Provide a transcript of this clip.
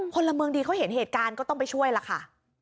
พลเมืองดีเขาเห็นเหตุการณ์ก็ต้องไปช่วยล่ะค่ะ